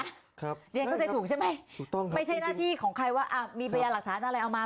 เข้าใจถูกใช่ไหมไม่ใช่หน้าที่ของใครว่ามีพยานหลักฐานอะไรเอามา